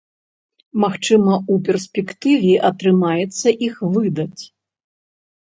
Магчыма, у перспектыве атрымаецца іх выдаць.